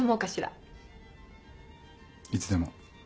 いつでも。